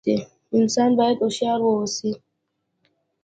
انسان بايد هوښيار ووسي